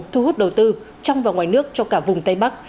thu hút đầu tư trong và ngoài nước cho cả vùng tây bắc